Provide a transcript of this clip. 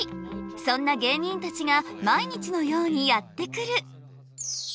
そんな芸人たちが毎日のようにやって来る。